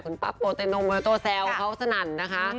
คุณป๊าโตเซ๊วเขาสนันนะคะ